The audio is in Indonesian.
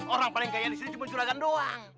orang paling kaya disini cuma seragam doang